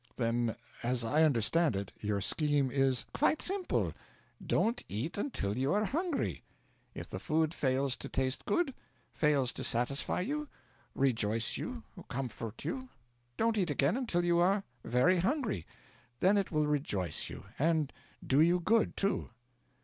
'Then, as I understand it, your scheme is ' 'Quite simple. Don't eat until you are hungry. If the food fails to taste good, fails to satisfy you, rejoice you, comfort you, don't eat again until you are very hungry. Then it will rejoice you and do you good, too.'